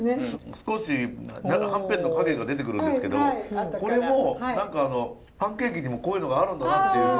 少しはんぺんの影が出てくるんですけどこれも何かパンケーキにもこういうのがあるんだなっていうふうに。